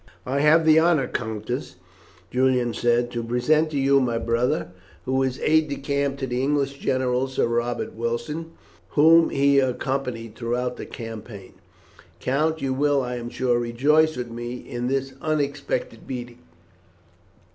"I have the honour, countess," Julian said, "to present to you my brother, who is aide de camp to the English General, Sir Robert Wilson, whom he accompanied throughout the campaign. Count, you will, I am sure, rejoice with me, in this unexpected meeting."